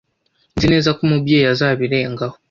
Nzi neza ko Umubyeyi azabirengaho.